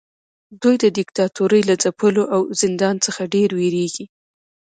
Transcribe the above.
دوی د دیکتاتورۍ له ځپلو او زندان څخه ډیر ویریږي.